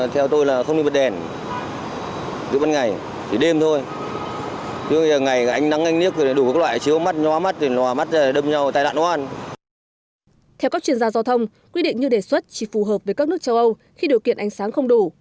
theo các chuyên gia giao thông quy định như đề xuất chỉ phù hợp với các nước châu âu khi điều kiện ánh sáng không đủ